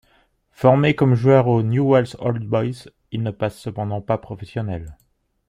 Formé comme joueur au Newell's Old Boys, il ne passe cependant pas professionnel.